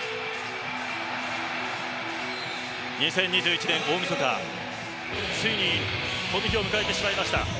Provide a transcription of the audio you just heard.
２０２１年大みそか、ついにこの日を迎えてしまいました。